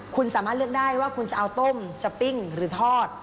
คุณสามารถเลือกได้ว่าคุณจะเอาต้มจะปิ้งหรือทอด